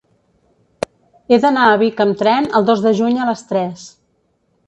He d'anar a Vic amb tren el dos de juny a les tres.